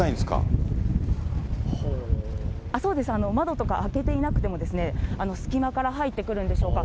そうです、窓とか開けていなくても、隙間から入ってくるんでしょうか。